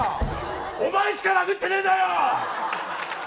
お前しか殴ってねえんだよ！